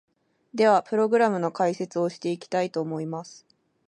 では、プログラムの解説をしていきたいと思います！